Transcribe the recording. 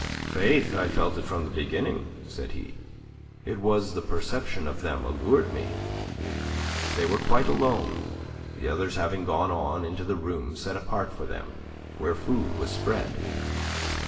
"Faith, I felt it from the beginning," said he. "It was the perception of them allured me." They were quite alone, the others having gone on into the room set apart for them, where food was spread.